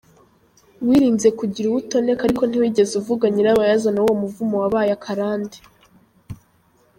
Wirinze kugira uwo utoneka ariko ntiwigeze uvuga nyirabayazana wuwo muvumo wabaye akarande.